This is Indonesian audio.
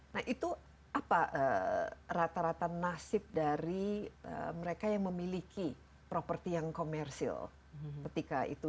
nah itu apa rata rata nasib dari mereka yang memiliki properti yang komersil ketika itu